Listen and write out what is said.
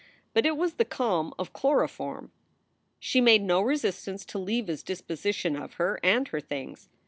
But it was the calm of chloroform. She made no resistance to Leva s disposition of her and her things.